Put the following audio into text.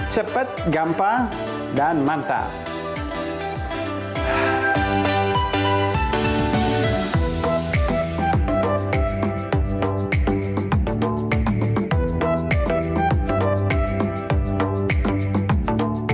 cepet gampang dan mantap